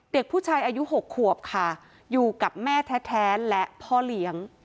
เด็กผู้ชายอายุ๖ขวบค่ะอยู่กับแม่แท้และพ่อเลี้ยง